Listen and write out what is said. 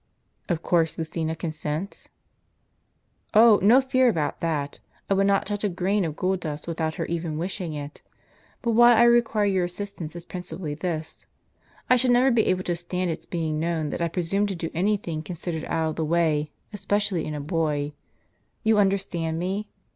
" Of course Lucina consents?" " Oh, no fear about that ! I would not touch a grain of gold dust without her even wishing it. But why I require your assistance is principally this. I should never be able to stand its being known that I presumed to do any thing con sidered out of the way, especially in a boy. You understand me